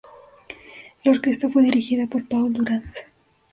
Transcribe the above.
La orquesta fue dirigida por Paul Durand.